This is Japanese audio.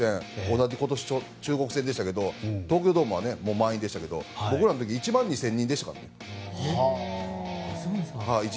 同じ中国戦でしたけど今回、東京ドーム満員でしたけど僕らの時１万２０００人でしたからね。